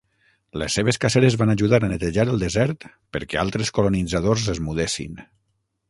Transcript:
Les seves caceres van ajudar a netejar el desert perquè altres colonitzadors es mudessin.